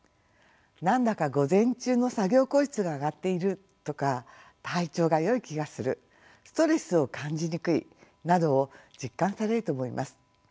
何だか午前中の作業効率が上がっているとか体調がよい気がするストレスを感じにくいなどを実感されると思います。